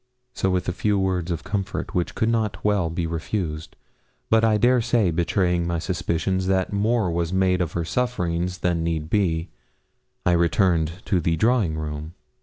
So with a few words of comfort which could not well be refused, but I dare say betraying my suspicion that more was made of her sufferings than need be, I returned to the drawing room.